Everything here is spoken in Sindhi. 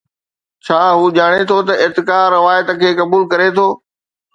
ڇا هو ڄاڻي ٿو ته ارتقاء روايت کي قبول ڪري ٿو؟